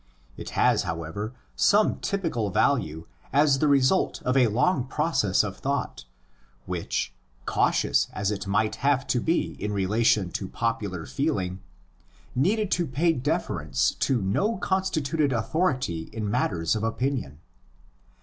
It has, however, some typical value as the result of a long process of thought, which, cautious as if might have to be in relation to popular feeling, needed to pay deference to no constituted authority in matters of opinion.